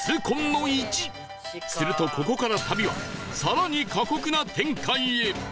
するとここから旅は更に過酷な展開へ